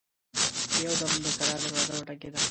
يودم د کلا دروازه وټکېده.